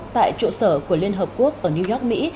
tại trụ sở của liên hợp quốc ở new york mỹ